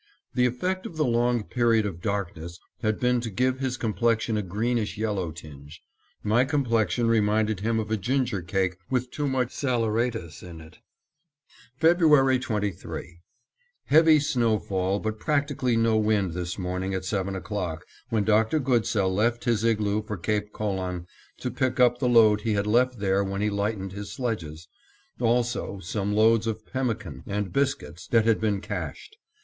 The effect of the long period of darkness had been to give his complexion a greenish yellow tinge. My complexion reminded him of a ginger cake with too much saleratus in it. February 23: Heavy snow fall but practically no wind this morning at seven o'clock, when Dr. Goodsell left his igloo for Cape Colan to pick up the load he had left there when he lightened his sledges, also some loads of pemmican and biscuits that had been cached.